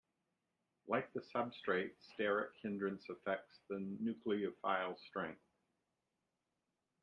Like the substrate, steric hindrance affects the nucleophile's strength.